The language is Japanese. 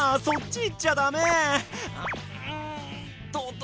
そっち行っちゃダメ！